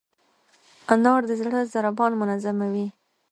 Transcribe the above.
انار د زړه ضربان منظموي.